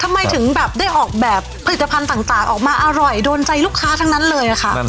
ทำไมถึงแบบได้ออกแบบผลิตภัณฑ์ต่างออกมาอร่อยโดนใจลูกค้าทั้งนั้นเลยค่ะ